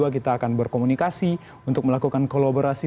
kita akan berkomunikasi untuk melakukan kolaborasi